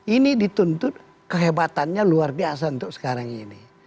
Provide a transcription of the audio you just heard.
ini dituntut kehebatannya luar biasa untuk sekarang ini